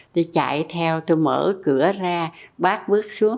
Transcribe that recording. tôi chạy theo tôi mở cửa ra bác bước xuống